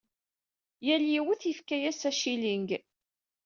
Yal yiwet yefka-as ashilling.